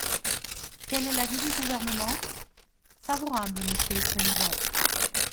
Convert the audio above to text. Quel est l’avis du Gouvernement ? Favorable, monsieur le président.